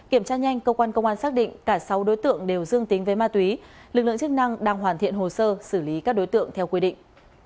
kiểm tra nhanh cơ quan công an xác định cả sáu đối tượng đều dương tính với ma túy lực lượng chức năng đang hoàn thiện hồ sơ xử lý các đối tượng theo quy định